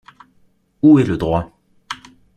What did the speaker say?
Où est le droit?